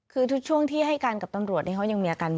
คือทุกช่วงที่ให้การกับตำรวจเขายังมีอาการ